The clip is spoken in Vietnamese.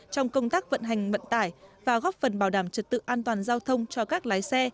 trong công tác vận hành vận tải và góp phần bảo đảm trật tự an toàn giao thông cho các lái xe